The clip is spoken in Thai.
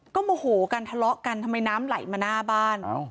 ก็โมโหกันทะเลาะกันทำไมน้ำไหลมาหน้าบ้าน